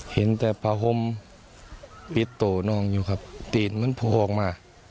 เห็นแต่พระฮมปิดตัวน้องอยู่ครับตีนมันพัวออกมา